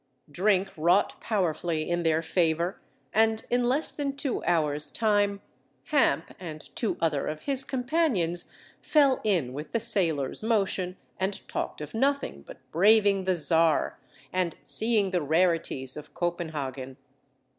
Drink wrought powerfully in their favour, and in less than two hours time, Hamp and two other of his companions fell in with the sailors' motion, and talked of nothing but braving the Czar, and seeing the rarities of Copenhagen.